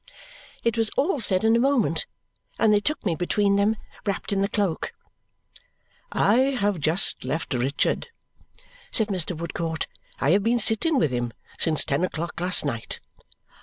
It was all said in a moment, and they took me between them, wrapped in the cloak. "I have just left Richard," said Mr. Woodcourt. "I have been sitting with him since ten o'clock last night."